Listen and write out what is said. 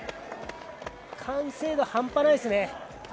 完成度、ハンパないですね。